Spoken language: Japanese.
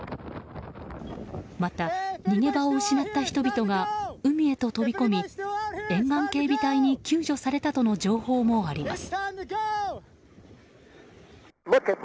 また、逃げ場を失った人々が海へと飛び込み沿岸警備隊に救助されたとの情報もあります。